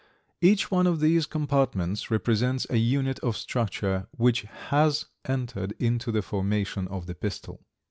Each one of these compartments represents a unit of structure which has entered into the formation of the pistil.